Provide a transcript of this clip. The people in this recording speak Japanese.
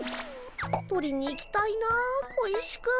取りに行きたいな小石くん。